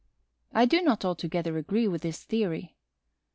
I do not altogether agree with this theory.